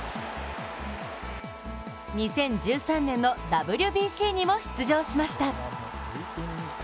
２０１３年のＷＢＣにも出場しました。